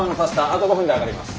あと５分で上がります。